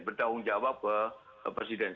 berdaung jawab ke presiden